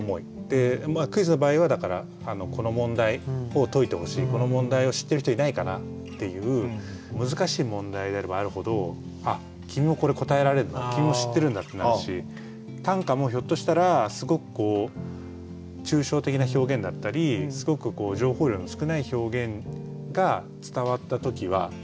クイズの場合はだからこの問題を解いてほしいこの問題を知ってる人いないかなっていう難しい問題であればあるほどあっ君もこれ答えられるの君も知ってるんだってなるし短歌もひょっとしたらすごく抽象的な表現だったりすごく分かります分かります。